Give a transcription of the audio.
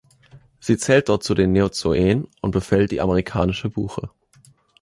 Sie zählt dort zu den Neozoen und befällt die Amerikanische Buche.